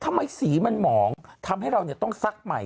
ทำไมสีมันหมองทำให้เราต้องซักใหม่